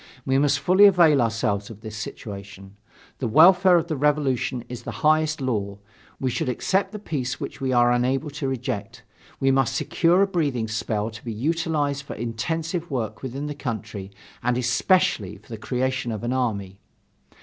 We must fully avail ourselves of this situation. The welfare of the Revolution is the highest law. We should accept the peace which we are unable to reject; we must secure a breathing spell to be utilized for intensive work within the country and, especially, for the creation of an army.